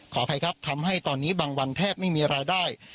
ขออภัยครับทำให้ตอนนี้บางวันแทบไม่มีรายได้